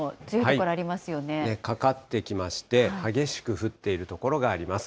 かかってきまして、激しく降っている所があります。